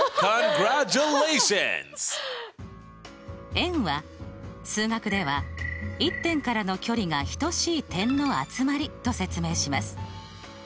円は数学では１点からの距離が等しい点の集まりと説明します。